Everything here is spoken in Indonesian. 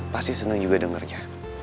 pasti seneng juga dengernya